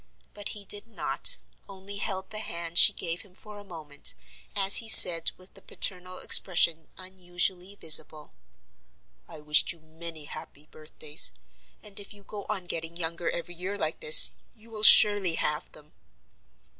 But he did not, only held the hand she gave him for a moment, as he said with the paternal expression unusually visible: "I wished you many happy birthdays; and, if you go on getting younger every year like this, you will surely have them."